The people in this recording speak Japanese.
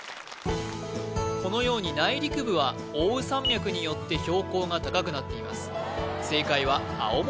このように内陸部は奥羽山脈によって標高が高くなっています